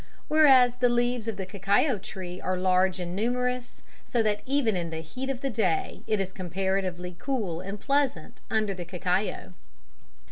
Whereas the leaves of the cacao tree are large and numerous, so that even in the heat of the day, it is comparatively cool and pleasant under the cacao.